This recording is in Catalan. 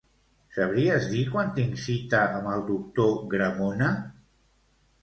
Sabries dir quan tinc cita amb el doctor Gramona?